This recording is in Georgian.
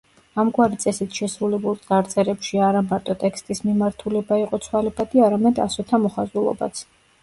ამგვარი წესით შესრულებულ წარწერებში არა მარტო ტექსტის მიმართულება იყო ცვალებადი, არამედ ასოთა მოხაზულობაც.